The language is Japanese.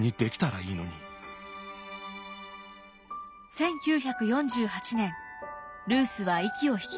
１９４８年ルースは息を引き取りました。